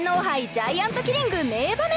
ジャイアントキリング名場面！